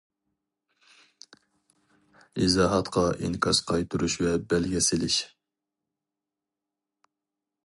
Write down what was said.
ئىزاھاتقا ئىنكاس قايتۇرۇش ۋە بەلگە سېلىش.